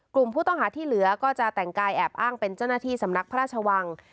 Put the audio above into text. กลุ่มผู้ต้องหาที่เหลือก็จะแต่งกายแอบอ้างเป็นเจ้าหน้าที่สำนักพระราชวัง